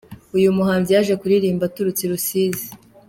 Uyu muhanzi yaje kuririmba aturutse i Rusizi.